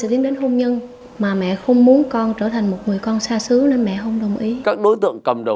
tiền vẫn phải trả cho chúng nó